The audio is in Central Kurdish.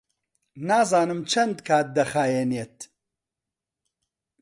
نازانم چەند کات دەخایەنێت.